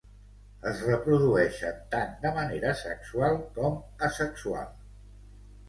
Es reprodueixen tant de manera sexual com asexual.